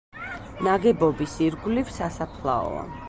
ნაგებობის ირგვლივ სასაფლაოა.